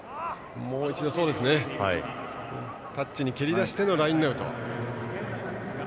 タッチに蹴り出してのラインアウト。